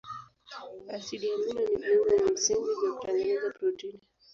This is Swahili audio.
Asidi amino ni viungo msingi vya kutengeneza protini.